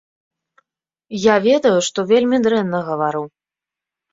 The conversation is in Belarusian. Я ведаю, што вельмі дрэнна гавару.